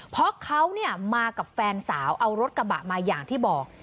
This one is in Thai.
เพราะเขามากับแฟนสาวเอารถกระบะมาอย่างที่บอก